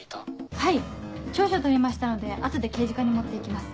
はい調書を取りましたので後で刑事課に持って行きます。